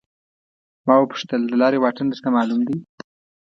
ما وپوښتل د لارې واټن درته معلوم دی.